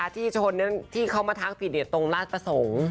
ที่ชนนั้นที่เขามาทักผิดตรงราชประสงค์